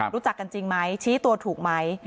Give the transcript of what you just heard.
รู้จักกันจริงไหมชี้ตัวถูกไหม